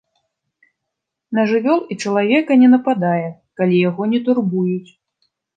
На жывёл і чалавека не нападае, калі яго не турбуюць.